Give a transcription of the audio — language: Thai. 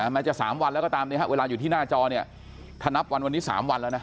แม้จะ๓วันแล้วก็ตามเวลาอยู่ที่หน้าจอเนี่ยถ้านับวันวันนี้๓วันแล้วนะ